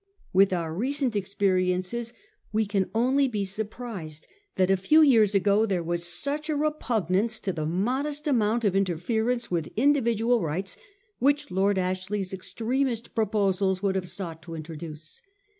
With our recent experiences we can only be surprised that a few years ago there was such a repugnance to the modest amount of interference with individual rights which Lord Ashley's extremest proposals would have sought to introduce.